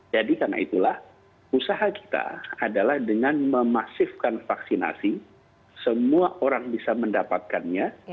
jadi karena itulah usaha kita adalah dengan memasifkan vaksinasi semua orang bisa mendapatkannya